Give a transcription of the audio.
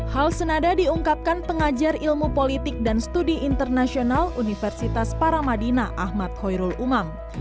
hal senada diungkapkan pengajar ilmu politik dan studi internasional universitas paramadina ahmad khoirul umam